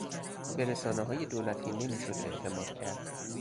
به رسانههای دولتی نمیشد اعتماد کرد.